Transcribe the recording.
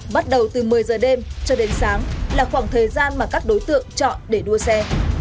bắt đầu từ một mươi giờ đêm cho đến sáng là khoảng thời gian mà các đối tượng chọn để đua xe